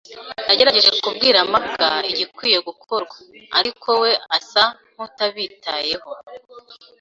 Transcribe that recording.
Nagerageje kubwira mabwa igikwiye gukorwa, ariko we asa nkutabitayeho.